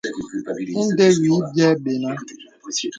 Ìndə̀ wì bìɛ̂ bənà.